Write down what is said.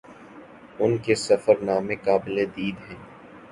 ان کے سفر نامے قابل دید ہیں